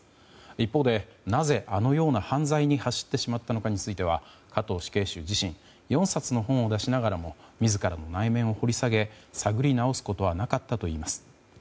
一方でなぜあのような犯罪に走ってしまったのかについては加藤死刑囚自身４冊の本を出しながらも自らの内面を掘り下げ探り直すことはなかったといいます。